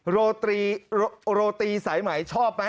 โรตีโรตีสายไหมชอบไหม